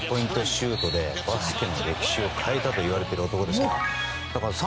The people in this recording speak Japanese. シュートでバスケの歴史を変えたといわれている男ですから。